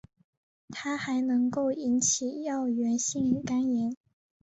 它还能够引起药源性肝炎。